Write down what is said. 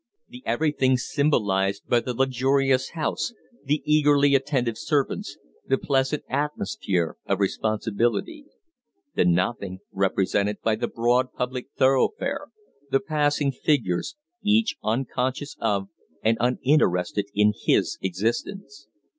The everything symbolized by the luxurious house, the eagerly attentive servants, the pleasant atmosphere of responsibility; the nothing represented by the broad public thoroughfare, the passing figures, each unconscious of and uninterested in his existence.